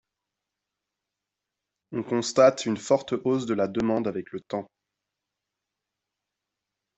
On constate une forte hausse de la demande avec le temps.